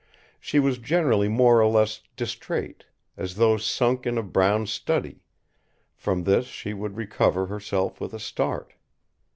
She was generally more or less distraite, as though sunk in a brown study; from this she would recover herself with a start.